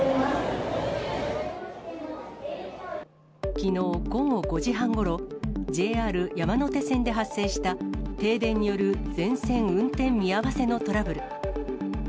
きのう午後５時半ごろ、ＪＲ山手線で発生した停電による全線運転見合わせのトラブル。